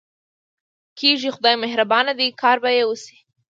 کېږي، خدای مهربانه دی، کار به یې وشي.